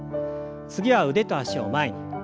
次は腕と脚を前に。